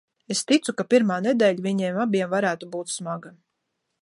Es ticu, ka pirmā nedēļa viņiem abiem varētu būt smaga.